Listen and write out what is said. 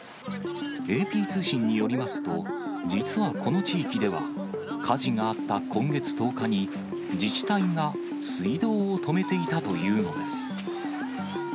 ＡＰ通信によりますと、実はこの地域では、火事があった今月１０日に、自治体が水道を止めていたというのです。